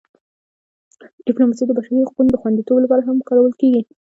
ډیپلوماسي د بشري حقونو د خوندیتوب لپاره هم کارول کېږي.